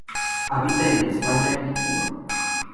Habita en La Española y Cuba.